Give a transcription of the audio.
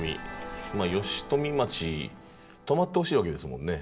吉富町止まってほしいわけですもんね。